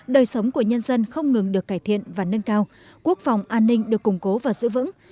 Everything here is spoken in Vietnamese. đời sống của nhân dân không ngừng được cải thiện và nâng cao quốc phòng an ninh được củng cố và giữ vững